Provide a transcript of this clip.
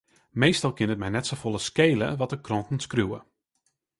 Meastal kin it my net safolle skele wat de kranten skriuwe.